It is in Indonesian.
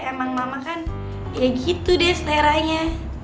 emang mama kan ya gitu deh seleranya